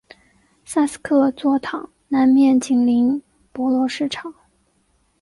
萨瑟克座堂南面紧邻博罗市场。